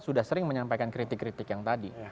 sudah sering menyampaikan kritik kritik yang tadi